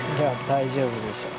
大丈夫ですか。